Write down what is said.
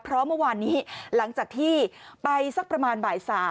เพราะเมื่อวานนี้หลังจากที่ไปสักประมาณบ่าย๓